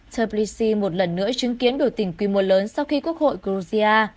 telbishi một lần nữa chứng kiến biểu tình quy mô lớn sau khi quốc hội georgia